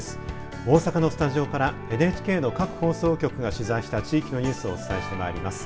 大阪のスタジオからＮＨＫの各放送局が取材した地域のニュースをお伝えしてまいります。